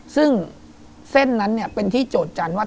ซึ่งเส้นนั้นเนี่ยเป็นที่โจทยจันทร์ว่า